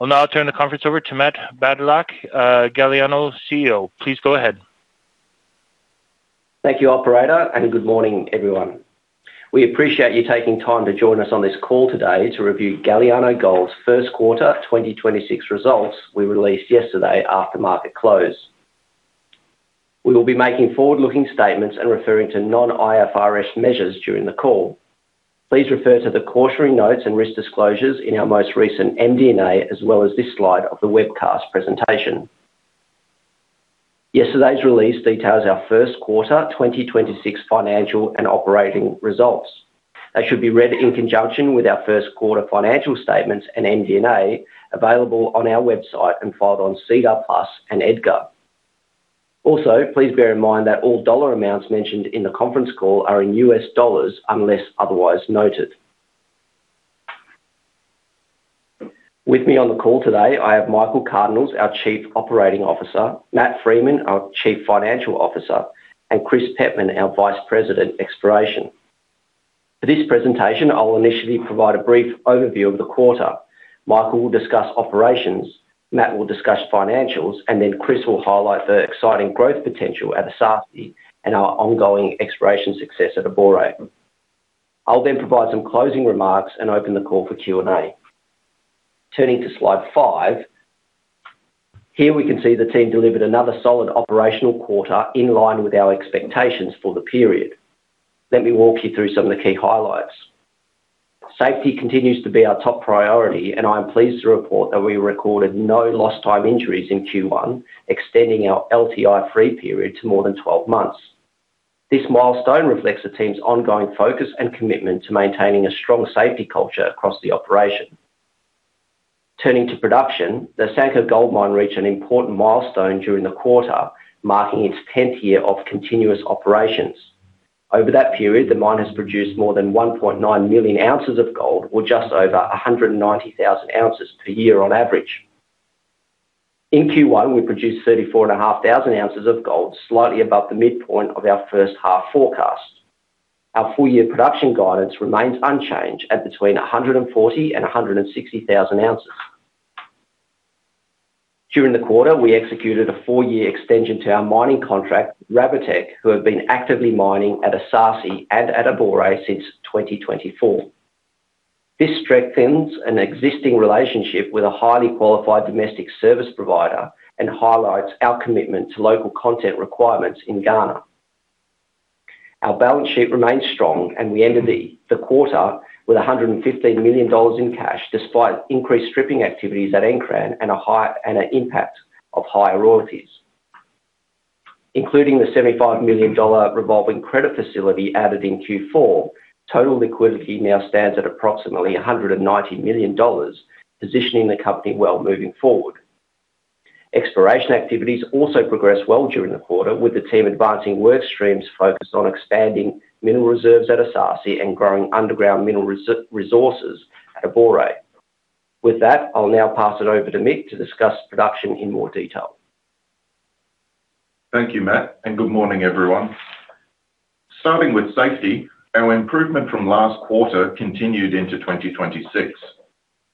I'll now turn the conference over to Matt Badylak, Galiano CEO. Please go ahead. Thank you, operator, and good morning, everyone. We appreciate you taking time to join us on this call today to review Galiano Gold's first quarter 2026 results we released yesterday after market close. We will be making forward-looking statements and referring to non-IFRS measures during the call. Please refer to the cautionary notes and risk disclosures in our most recent MD&A, as well as this slide of the webcast presentation. Yesterday's release details our first quarter 2026 financial and operating results. They should be read in conjunction with our first quarter financial statements and MD&A available on our website and filed on SEDAR+ and EDGAR. Also, please bear in mind that all dollar amounts mentioned in the conference call are in U.S. dollars, unless otherwise noted. With me on the call today, I have Michael Cardinaels, our Chief Operating Officer, Matt Freeman, our Chief Financial Officer, and Chris Pettman, our Vice President, Exploration. For this presentation, I'll initially provide a brief overview of the quarter. Michael will discuss operations, Matt will discuss financials, and then Chris will highlight the exciting growth potential at Esaase and our ongoing exploration success at Abore. I'll provide some closing remarks and open the call for Q&A. Turning to slide five. Here we can see the team delivered another solid operational quarter in line with our expectations for the period. Let me walk you through some of the key highlights. Safety continues to be our top priority, and I am pleased to report that we recorded no lost time injuries in Q1, extending our LTI-free period to more than 12 months. This milestone reflects the team's ongoing focus and commitment to maintaining a strong safety culture across the operation. Turning to production, the Asanko Gold Mine reached an important milestone during the quarter, marking its 10th year of continuous operations. Over that period, the mine has produced more than 1.9 million ounces of gold, or just over 190,000 ounces per year on average. In Q1, we produced 34,500 oz of gold, slightly above the midpoint of our first half forecast. Our full year production guidance remains unchanged at between 140,000 oz and 160,000 oz. During the quarter, we executed a four-year extension to our mining contract, Rabotec, who have been actively mining at Esaase and at Abore since 2024. This strengthens an existing relationship with a highly qualified domestic service provider and highlights our commitment to local content requirements in Ghana. Our balance sheet remains strong, and we ended the quarter with $115 million in cash, despite increased stripping activities at Nkran and an impact of higher royalties. Including the $75 million revolving credit facility added in Q4, total liquidity now stands at approximately $190 million, positioning the company well moving forward. Exploration activities also progressed well during the quarter, with the team advancing work streams focused on expanding mineral reserves at Esaase and growing underground mineral resources at Abore. With that, I'll now pass it over to Mick to discuss production in more detail. Thank you, Matt, and good morning, everyone. Starting with safety, our improvement from last quarter continued into 2026.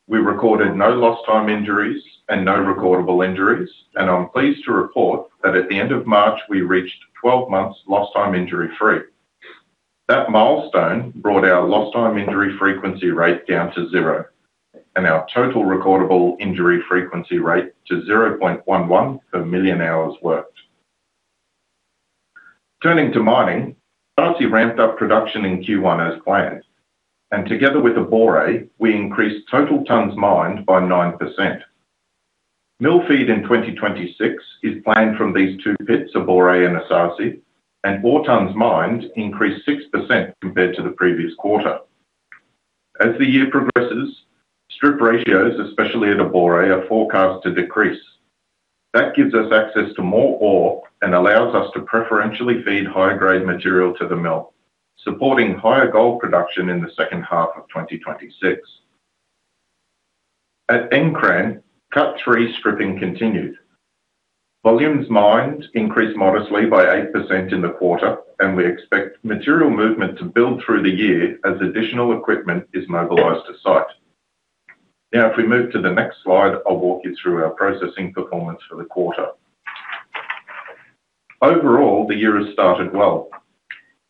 We recorded no lost-time injuries and no recordable injuries, and I'm pleased to report that at the end of March, we reached 12 months lost-time injury free. That milestone brought our lost-time injury frequency rate down to 0.00. And our total recordable injury frequency rate to 0.11 per million hours worked. Turning to mining, Esaase ramped up production in Q1 as planned, and together with Abore, we increased total tonnes mined by 9%. Mill feed in 2026 is planned from these two pits, Abore and Esaase, and ore tonnes mined increased 6% compared to the previous quarter. As the year progresses, strip ratios, especially at Abore, are forecast to decrease. That gives us access to more ore and allows us to preferentially feed higher grade material to the mill, supporting higher gold production in the second half of 2026. At Nkran Cut 3 stripping continued. Volumes mined increased modestly by 8% in the quarter. We expect material movement to build through the year as additional equipment is mobilized to site. Now if we move to the next slide, I'll walk you through our processing performance for the quarter. Overall, the year has started well.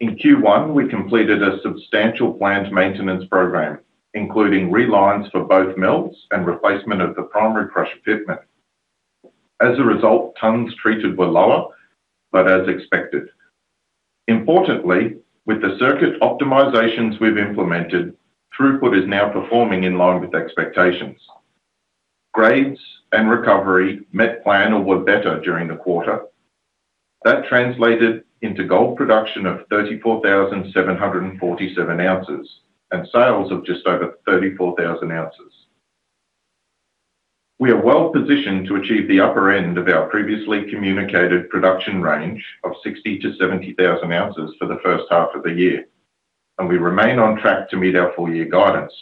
In Q1, we completed a substantial plant maintenance program, including relines for both mills and replacement of the primary crusher pitman. As a result, tonnes treated were lower, but as expected. Importantly, with the circuit optimizations we've implemented, throughput is now performing in line with expectations. Grades and recovery met plan or were better during the quarter. That translated into gold production of 34,747 oz and sales of just over 34,000 oz. We are well-positioned to achieve the upper end of our previously communicated production range of 60,000 oz-70,000 oz for the first half of the year, and we remain on track to meet our full year guidance.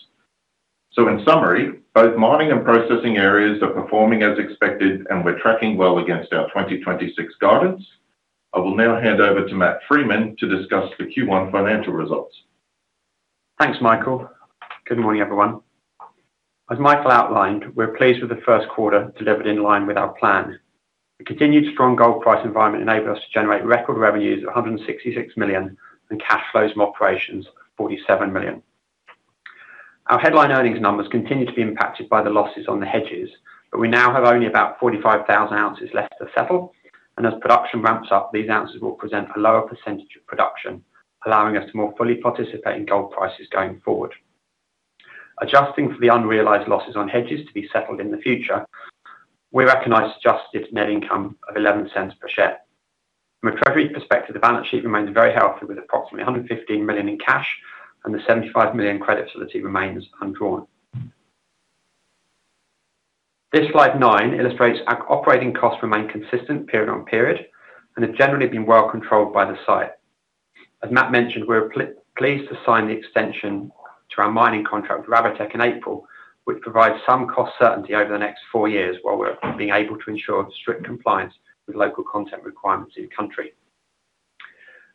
In summary, both mining and processing areas are performing as expected, and we're tracking well against our 2026 guidance. I will now hand over to Matt Freeman to discuss the Q1 financial results. Thanks, Michael. Good morning, everyone. As Michael outlined, we're pleased with the first quarter delivered in line with our plan. The continued strong gold price environment enabled us to generate record revenues of $166 million, and cash flows from operations of $47 million. Our headline earnings numbers continue to be impacted by the losses on the hedges. We now have only about 45,000 oz left to settle. As production ramps up, these ounces will present a lower percentage of production, allowing us to more fully participate in gold prices going forward. Adjusting for the unrealized losses on hedges to be settled in the future, we recognize adjusted net income of $0.11 per share. From a treasury perspective, the balance sheet remains very healthy, with approximately $115 million in cash, and the $75 million credit facility remains undrawn. This slide nine illustrates our operating costs remain consistent period on period and have generally been well-controlled by the site. As Matt mentioned, we're pleased to sign the extension to our mining contract with Rabotec in April, which provides some cost certainty over the next four years while we're being able to ensure strict compliance with local content requirements in the country.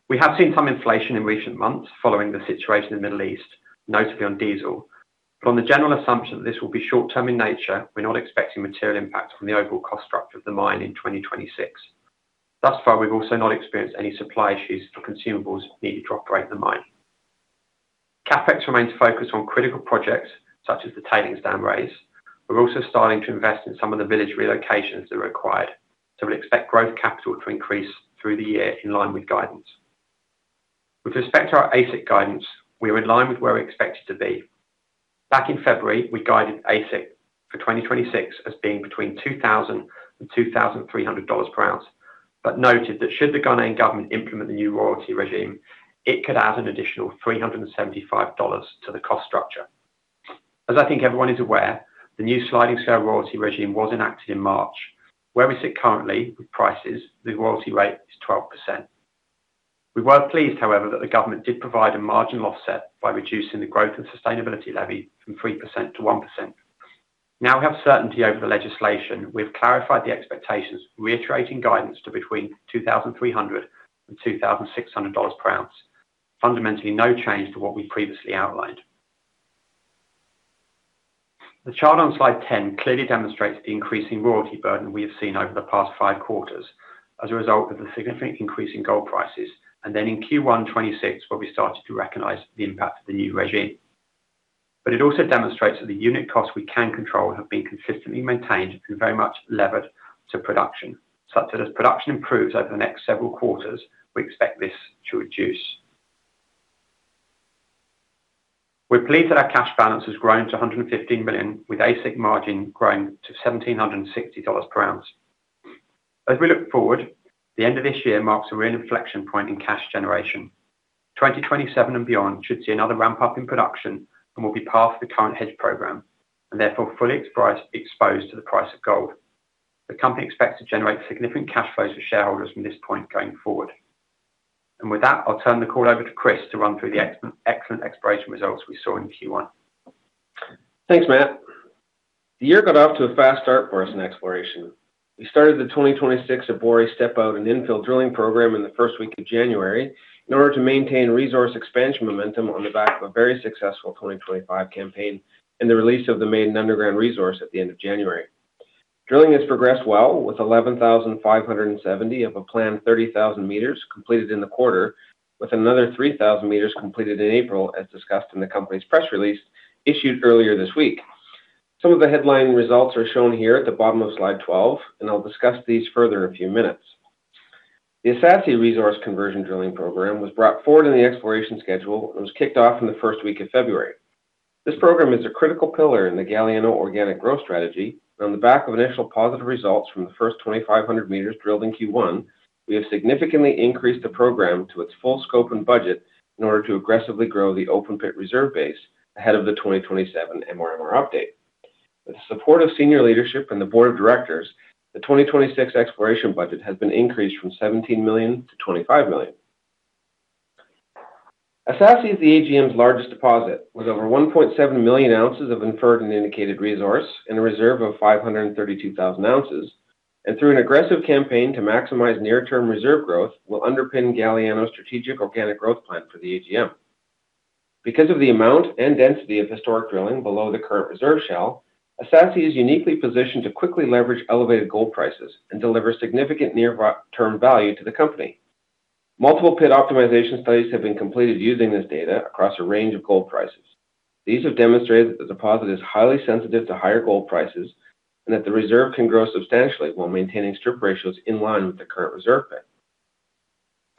We have seen some inflation in recent months following the situation in the Middle East, notably on diesel. From the general assumption, this will be short-term in nature. We're not expecting material impact on the overall cost structure of the mine in 2026. Thus far, we've also not experienced any supply issues for consumables needed to operate the mine. CapEx remains focused on critical projects such as the tailings dam raise. We're also starting to invest in some of the village relocations that are required. We'll expect growth capital to increase through the year in line with guidance. With respect to our AISC guidance, we're in line with where we're expected to be. Back in February, we guided AISC for 2026 as being between $2,000 and $2,300 per ounce. Noted that should the Ghanaian government implement the new royalty regime, it could add an additional $375 to the cost structure. As I think everyone is aware, the new sliding scale royalty regime was enacted in March. Where we sit currently with prices, the royalty rate is 12%. We were pleased, however, that the government did provide a marginal offset by reducing the Growth and Sustainability Levy from 3% to 1%. We have certainty over the legislation, we've clarified the expectations, reiterating guidance to between $2,300 and $2,600 per ounce. Fundamentally, no change to what we previously outlined. The chart on slide 10 clearly demonstrates the increasing royalty burden we have seen over the past five quarters as a result of the significant increase in gold prices, in Q1 2026, where we started to recognize the impact of the new regime. It also demonstrates that the unit costs we can control have been consistently maintained and very much levered to production, such that as production improves over the next several quarters, we expect this to reduce. We're pleased that our cash balance has grown to $115 million, with AISC margin growing to $1,760 per ounce. As we look forward, the end of this year marks a real inflection point in cash generation. 2027 and beyond should see another ramp-up in production and will be past the current hedge program, therefore fully exposed to the price of gold. The company expects to generate significant cash flows for shareholders from this point going forward. With that, I'll turn the call over to Chris to run through the excellent exploration results we saw in Q1. Thanks, Matt. The year got off to a fast start for us in exploration. We started the 2026 Abore step-out and infill drilling program in the first week of January in order to maintain resource expansion momentum on the back of a very successful 2025 campaign and the release of the main underground resource at the end of January. Drilling has progressed well, with 11,570 m of a planned 30,000 m completed in the quarter, with another 3,000 m completed in April, as discussed in the company's press release issued earlier this week. Some of the headline results are shown here at the bottom of slide 12, and I'll discuss these further in a few minutes. The Esaase resource conversion drilling program was brought forward in the exploration schedule and was kicked off in the first week of February. This program is a critical pillar in the Galiano organic growth strategy. On the back of initial positive results from the first 2,500 m drilled in Q1, we have significantly increased the program to its full scope and budget in order to aggressively grow the open pit reserve base ahead of the 2027 MRMR update. With the support of senior leadership and the board of directors, the 2026 exploration budget has been increased from $17 million to $25 million. Esaase is the AGM's largest deposit, with over 1.7 million oz of inferred and indicated resource and a reserve of 532,000 oz. Through an aggressive campaign to maximize near-term reserve growth will underpin Galiano's strategic organic growth plan for the AGM. Because of the amount and density of historic drilling below the current reserve shell, Esaase is uniquely positioned to quickly leverage elevated gold prices and deliver significant near-term value to the company. Multiple pit optimization studies have been completed using this data across a range of gold prices. These have demonstrated that the deposit is highly sensitive to higher gold prices and that the reserve can grow substantially while maintaining strip ratios in line with the current reserve pit.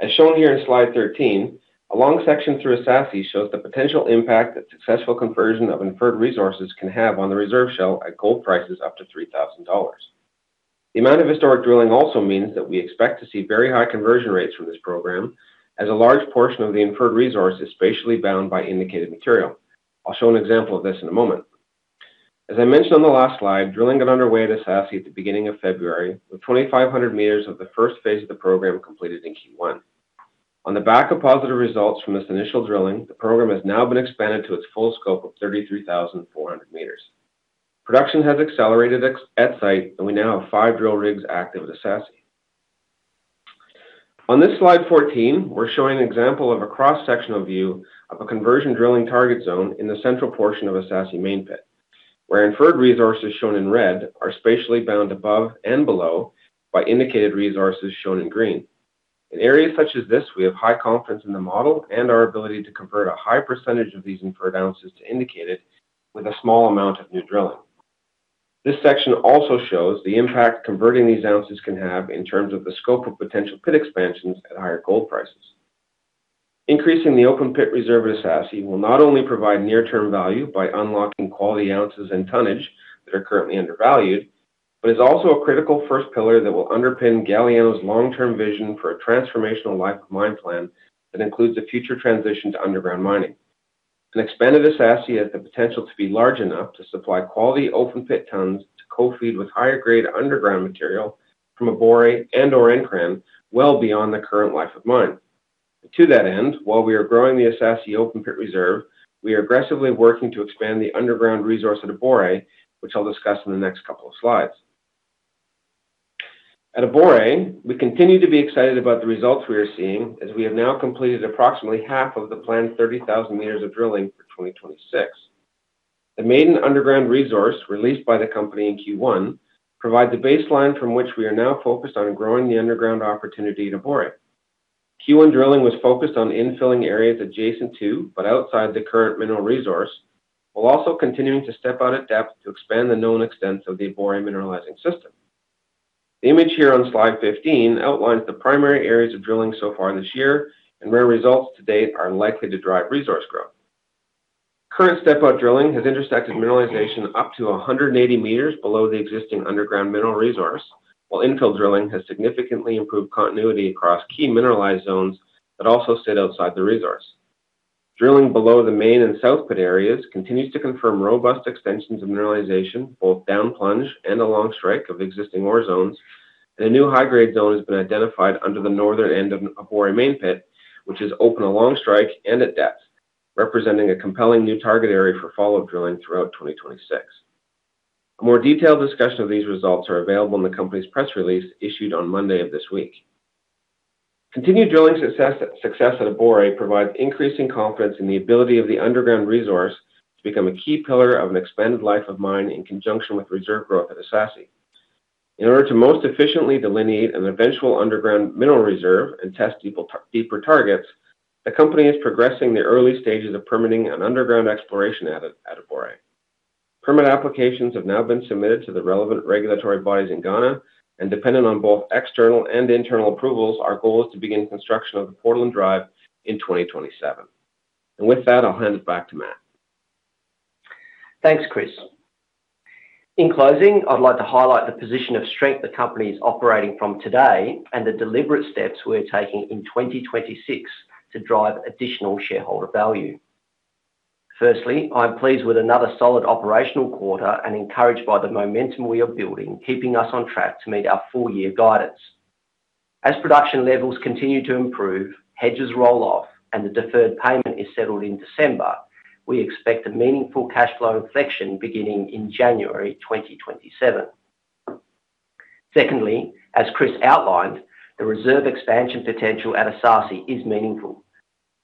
As shown here in slide 13, a long section through Esaase shows the potential impact that successful conversion of inferred resources can have on the reserve shell at gold prices up to $3,000. The amount of historic drilling also means that we expect to see very high conversion rates from this program, as a large portion of the inferred resource is spatially bound by indicated material. I'll show an example of this in a moment. As I mentioned on the last slide, drilling got underway at Esaase at the beginning of February, with 2,500 m of the first phase of the program completed in Q1. On the back of positive results from this initial drilling, the program has now been expanded to its full scope of 33,400 m. Production has accelerated ex-at site, and we now have five drill rigs active at Esaase. On this slide 14, we're showing an example of a cross-sectional view of a conversion drilling target zone in the central portion of Esaase main pit, where inferred resources shown in red are spatially bound above and below by indicated resources shown in green. In areas such as this, we have high confidence in the model and our ability to convert a high percentage of these inferred ounces to indicated with a small amount of new drilling. This section also shows the impact converting these ounces can have in terms of the scope of potential pit expansions at higher gold prices. Increasing the open pit reserve at Esaase will not only provide near-term value by unlocking quality ounces and tonnage that are currently undervalued, but is also a critical first pillar that will underpin Galiano's long-term vision for a transformational life of mine plan that includes a future transition to underground mining. An expanded Esaase has the potential to be large enough to supply quality open pit tonnes to co-feed with higher grade underground material from Abore and/or Nkran well beyond the current life of mine. To that end, while we are growing the Esaase open pit reserve, we are aggressively working to expand the underground resource at Abore, which I'll discuss in the next couple of slides. At Abore, we continue to be excited about the results we are seeing as we have now completed approximately half of the planned 30,000 m of drilling for 2026. The maiden underground resource released by the company in Q1 provide the baseline from which we are now focused on growing the underground opportunity at Abore. Q1 drilling was focused on infilling areas adjacent to but outside the current mineral resource, while also continuing to step out at depth to expand the known extents of the Abore mineralizing system. The image here on slide 15 outlines the primary areas of drilling so far this year and where results to date are likely to drive resource growth. Current step-out drilling has intersected mineralization up to 180 m below the existing underground mineral resource, while infill drilling has significantly improved continuity across key mineralized zones that also sit outside the resource. Drilling below the main and south pit areas continues to confirm robust extensions of mineralization both down plunge and along strike of existing ore zones, and a new high-grade zone has been identified under the northern end of Abore main pit, which is open along strike and at depth, representing a compelling new target area for follow-up exploration drilling throughout 2026. A more detailed discussion of these results are available in the company's press release issued on Monday of this week. Continued drilling success at Abore provides increasing confidence in the ability of the underground resource to become a key pillar of an expanded life of mine in conjunction with reserve growth at Esaase. In order to most efficiently delineate an eventual underground mineral reserve and test deeper targets, the company is progressing the early stages of permitting an underground exploration adit at Abore. Permit applications have now been submitted to the relevant regulatory bodies in Ghana. Dependent on both external and internal approvals, our goal is to begin construction of the portal and drive in 2027. With that, I'll hand it back to Matt. Thanks, Chris. In closing, I'd like to highlight the position of strength the company is operating from today and the deliberate steps we're taking in 2026 to drive additional shareholder value. I'm pleased with another solid operational quarter and encouraged by the momentum we are building, keeping us on track to meet our full year guidance. As production levels continue to improve, hedges roll off, and the deferred payment is settled in December, we expect a meaningful cash flow inflection beginning in January 2027. As Chris outlined, the reserve expansion potential at Esaase is meaningful.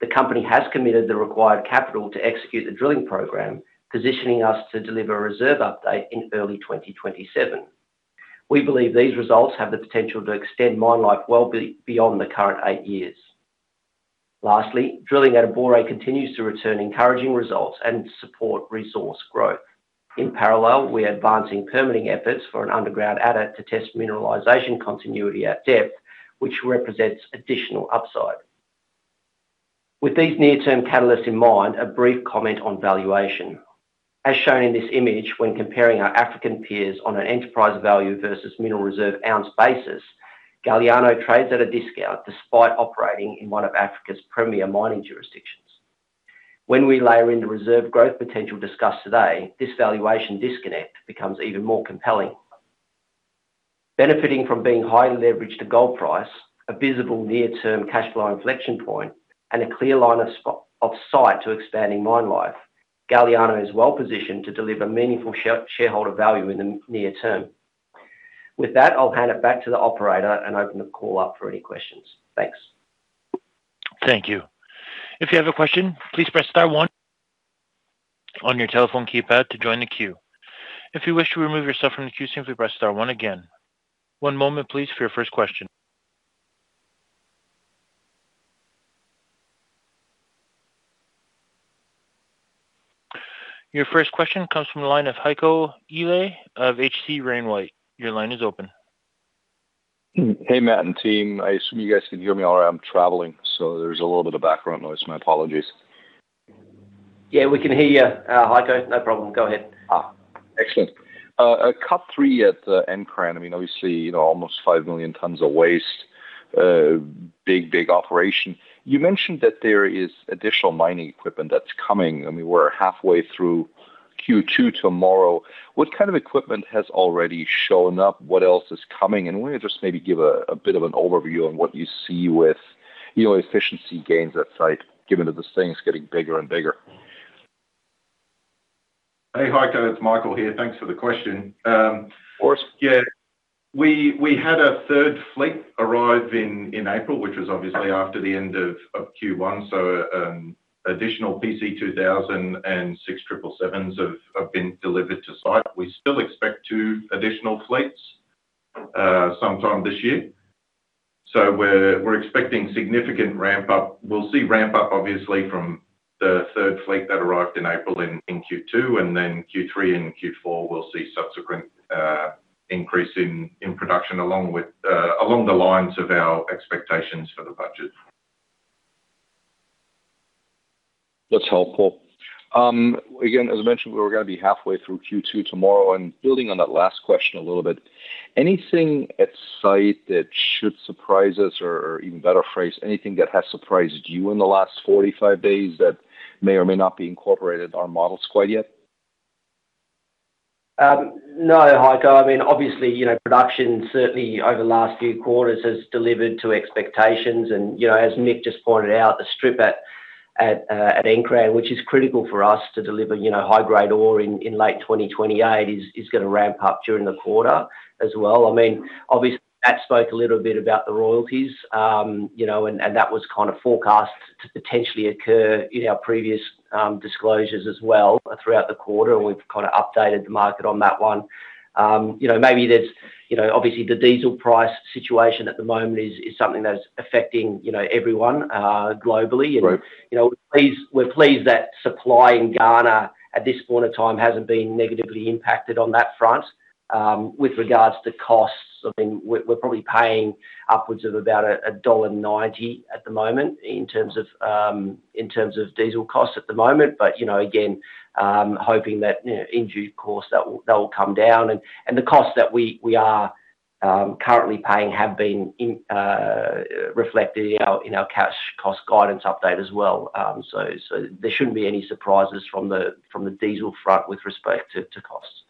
The company has committed the required capital to execute the drilling program, positioning us to deliver a reserve update in early 2027. We believe these results have the potential to extend mine life well beyond the current eight years. Lastly, drilling at Abore continues to return encouraging results and support resource growth. In parallel, we are advancing permitting efforts for an underground adit to test mineralization continuity at depth, which represents additional upside. With these near-term catalysts in mind, a brief comment on valuation. As shown in this image, when comparing our African peers on an enterprise value versus mineral reserve ounce basis, Galiano trades at a discount despite operating in one of Africa's premier mining jurisdictions. When we layer in the reserve growth potential discussed today, this valuation disconnect becomes even more compelling. Benefiting from being highly leveraged to gold price, a visible near-term cash flow inflection point, and a clear line of sight to expanding mine life, Galiano is well-positioned to deliver meaningful shareholder value in the near term. With that, I'll hand it back to the operator and open the call up for any questions. Thanks. Thank you. If you have a question, please press star one on your telephone keypad to join the queue. If you wish to remove yourself from the queue, simply press star one again. One moment please for your first question. Your first question comes from the line of Heiko Ihle of H.C. Wainwright. Your line is open. Hey, Matt and team. I assume you guys can hear me all right. I'm traveling, so there's a little bit of background noise. My apologies. Yeah, we can hear you, Heiko. No problem. Go ahead. Excellent. At Cut 3 at Nkran, I mean, obviously, you know, almost 5 million tons of waste, big, big operation. You mentioned that there is additional mining equipment that's coming. I mean, we're halfway through Q2 tomorrow. What kind of equipment has already shown up? What else is coming? Will you just maybe give a bit of an overview on what you see with, you know, efficiency gains at site given that this thing's getting bigger and bigger? Hey, Heiko, it's Michael here. Thanks for the question. Of course. Yeah. We had a third fleet arrive in April, which was obviously after the end of Q1. Additional PC2000 and six 777s have been delivered to site. We still expect two additional fleets sometime this year. We're expecting significant ramp up. We'll see ramp up obviously from the third fleet that arrived in April in Q2, and then Q3 and Q4, we'll see subsequent increase in production along with along the lines of our expectations for the budget. That's helpful. Again, as I mentioned, we're gonna be halfway through Q2 tomorrow. Building on that last question a little bit, anything at site that should surprise us or even better phrase, anything that has surprised you in the last 45 days that may or may not be incorporated on models quite yet? No, Heiko. I mean, obviously, you know, production certainly over the last few quarters has delivered to expectations and, you know, as Mick just pointed out, the strip at Nkran, which is critical for us to deliver, you know, high-grade ore in late 2028 is gonna ramp up during the quarter as well. I mean, obviously, Matt spoke a little bit about the royalties, you know, and that was kinda forecast to potentially occur in our previous disclosures as well throughout the quarter, and we've kinda updated the market on that one. You know, maybe there's, you know, obviously the diesel price situation at the moment is something that's affecting, you know, everyone globally. Right. You know, we're pleased that supply in Ghana at this point of time hasn't been negatively impacted on that front. With regards to costs, I mean, we're probably paying upwards of about a $1.90 at the moment in terms of diesel costs at the moment. You know, again, hoping that, you know, in due course, that will come down. The costs that we are currently paying have been reflected in our cash cost guidance update as well. There shouldn't be any surprises from the diesel front with respect to costs.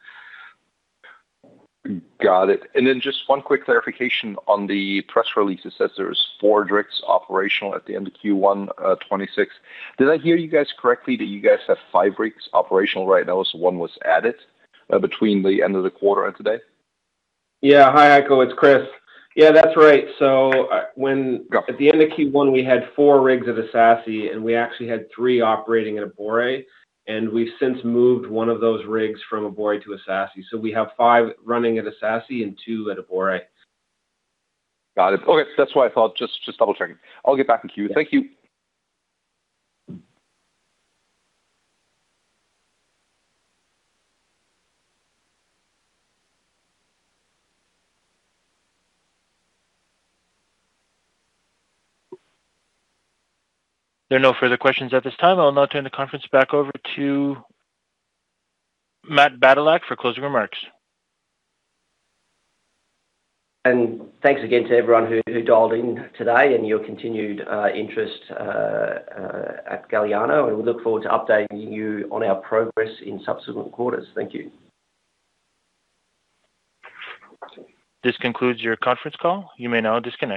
Got it. Just one quick clarification. On the press release, it says there's four rigs operational at the end of Q1 2026. Did I hear you guys correctly that you guys have five rigs operational right now, so one was added between the end of the quarter and today? Yeah. Hi, Heiko. It's Chris. Yeah, that's right. Got it. At the end of Q1, we had four rigs at Esaase, and we actually had three operating at Abore. We've since moved one of those rigs from Abore to Esaase. We have five running at Esaase and two at Abore. Got it. Okay. That's what I thought. Just double-checking. I'll get back in queue. Yeah. Thank you. There are no further questions at this time. I'll now turn the conference back over to Matt Badylak for closing remarks. Thanks again to everyone who dialed in today and your continued interest at Galiano, and we look forward to updating you on our progress in subsequent quarters. Thank you. This concludes your conference call. You may now disconnect.